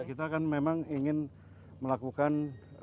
kita kan memang ingin melakukan